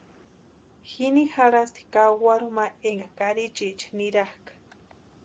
Jini jarhasti kawaru ma énka karichiicha nirakʼa.